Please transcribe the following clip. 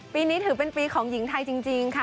ปีนี้ถือเป็นปีของหญิงไทยจริงค่ะ